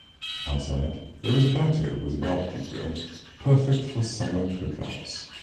Outside, there is a patio with a barbecue grill, perfect for summer cookouts.